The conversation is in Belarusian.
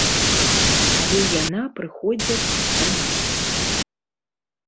Але яна прыходзяць да нас.